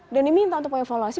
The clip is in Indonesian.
dan diminta untuk mengevaluasi